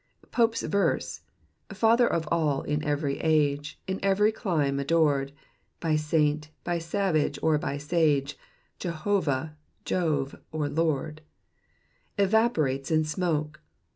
Pope's verse —" Father of all, In every age, In every clime adored, By saint, by savage, or by sage, Jehovah, Jove, or Lora," evaporates in smoke.